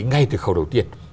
ngay từ khâu đầu tiên